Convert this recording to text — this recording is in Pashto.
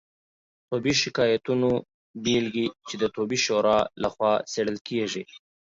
طبي شکایتونو بیلګې چې د طبي شورا لخوا څیړل کیږي